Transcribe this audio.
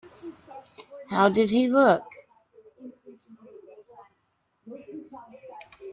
How did he look?